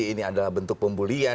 ini adalah bentuk pembulian